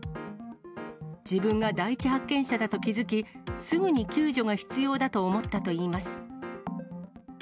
自分が第一発見者だと気付き、すぐに救助が必要だと思ったといいます。